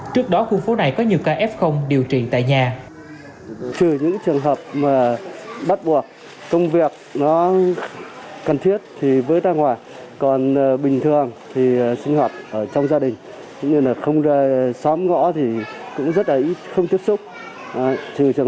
trước đó khu phố này có nhiều ca f điều trị tại nhà